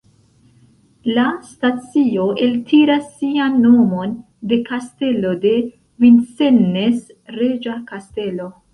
La stacio eltiras sian nomon de Kastelo de Vincennes, reĝa kastelo.